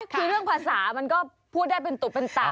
คือเรื่องภาษามันก็พูดได้เป็นตุเป็นตะ